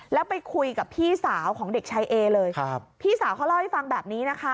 แล้วไปคุยกับพี่สาวของเด็กชายเอเลยครับพี่สาวเขาเล่าให้ฟังแบบนี้นะคะ